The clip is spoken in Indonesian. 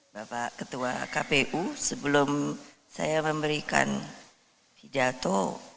bapak ketua kpu sebelum saya memberikan pidato